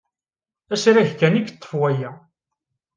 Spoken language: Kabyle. Asrag kan i yeṭṭef waya.